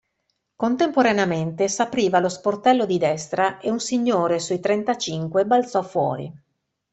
Contemporaneamente s'apriva lo sportello di destra e un signore sui trentacinque balzò fuori.